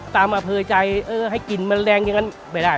ตามมาเผยใจเออให้กลิ่นมันล่างอย่างงั้นไม่ได้